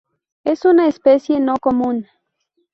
Es una especie no común.